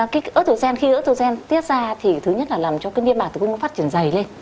khi estrogen tiết ra thì thứ nhất là làm cho cái niên bạc tử cung phát triển dày lên